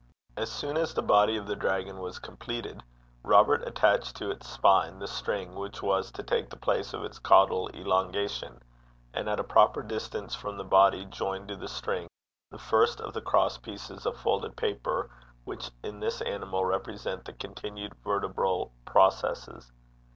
As soon as the body of the dragon was completed, Robert attached to its spine the string which was to take the place of its caudal elongation, and at a proper distance from the body joined to the string the first of the cross pieces of folded paper which in this animal represent the continued vertebral processes.